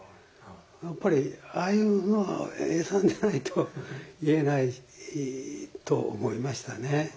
やっぱりああいうのは永さんじゃないと言えないと思いましたね。